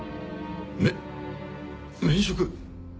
め免職！？